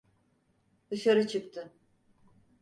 Dışarı çıktı.